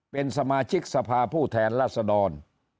เป็นสมาชิกสภาผู้แทนราษดร